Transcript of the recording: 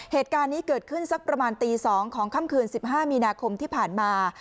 เหตุการณ์นี้เกิดขึ้นสักประมาณตี๒ของค่ำคืน๑๕มีนาคมที่ผ่านมา